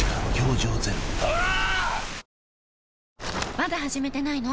まだ始めてないの？